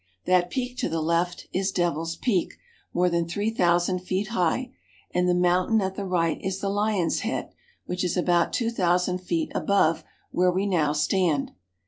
That peak to the left is Devil's Peak, more than three thousand feet high, and the mountain at the right is the Lion's Head, which is about two thousand feet above where we now stand.